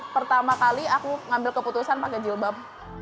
pertama kali aku ngambil keputusan pakai jilbab